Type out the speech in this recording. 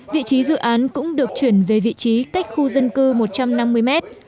vị trí dự án cũng được chuyển về vị trí cách khu dân cư một trăm năm mươi mét